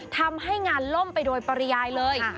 ทำให้งานล่มไปโดยปริยายเลย